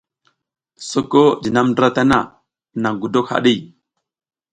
Soko jinam ndra tana naƞ gudok haɗi.